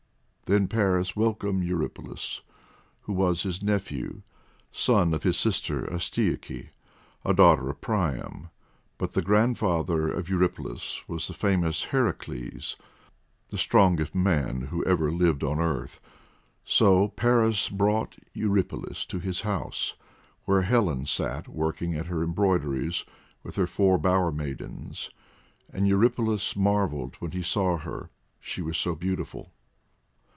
Then Paris welcomed Eurypylus who was his nephew, son of his sister Astyoche, a daughter of Priam; but the grandfather of Eurypylus was the famous Heracles, the strongest man who ever lived on earth. So Paris brought Eurypylus to his house, where Helen sat working at her embroideries with her four bower maidens, and Eurypylus marvelled when he saw her, she was so beautiful.